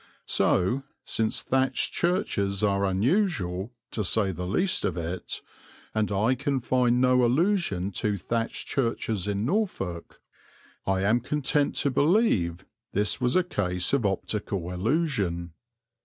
So, since thatched churches are unusual, to say the least of it, and I can find no allusion to thatched churches in Norfolk, I am content to believe this was a case of optical illusion.